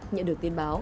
nhận được tin báo